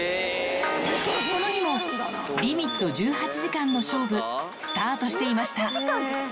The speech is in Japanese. この日も、リミット１８時間の勝負、スタートしていました。